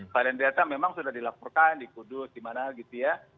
varian delta memang sudah dilaporkan di kudus di mana gitu ya